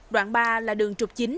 đoạn ba là đường trục chính